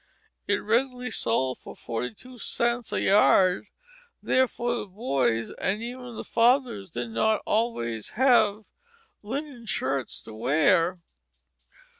It readily sold for forty two cents a yard. Therefore the boys and even the fathers did not always have linen shirts to wear.